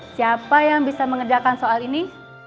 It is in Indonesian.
siapa yang bisa mengerjakan soal ini